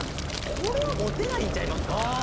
これはモテないんちゃいますか？